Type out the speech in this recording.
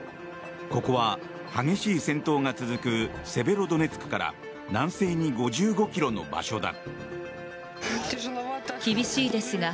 ここは激しい戦闘が続くセベロドネツクから南西に５５ｋｍの場所だ。